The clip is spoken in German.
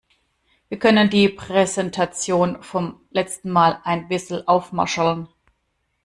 Wir können die Präsentation vom letzen Mal ein bisserl aufmascherln.